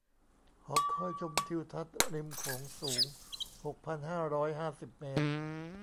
หอคอยชมทิวทัศน์ริมโขงสูง หกพันห้าร้อยห้าสิบ เมตร